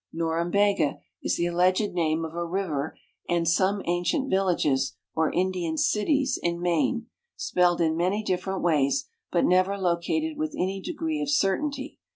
Norumbega is the alleged name of a river and .sf)me ancient villages or Indian "cities" in Maine, spelled in many diffiirent ways, l>ut never located with any deirree of certainty.